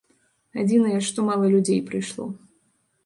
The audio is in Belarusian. Адзінае, што мала людзей прыйшло.